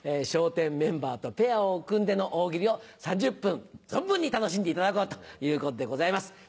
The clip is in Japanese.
笑点メンバーとペアを組んでの「大喜利」を３０分存分に楽しんでいただこうということでございます。